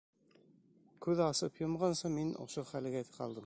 Күҙ асып йомғансы мин ошо хәлгә ҡалдым.